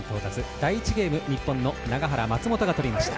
第１ゲーム、日本の永原、松本が取りました。